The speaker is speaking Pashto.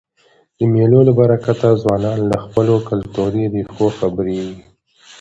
د مېلو له برکته ځوانان له خپلو کلتوري ریښو خبريږي.